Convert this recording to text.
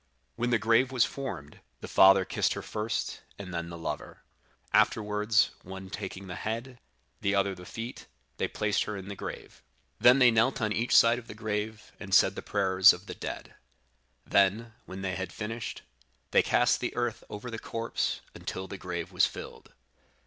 When the grave was formed, the father embraced her first, and then the lover; afterwards, one taking the head, the other the feet, they placed her in the grave. Then they knelt on each side of the grave, and said the prayers of the dead. Then, when they had finished, they cast the earth over the corpse, until the grave was filled.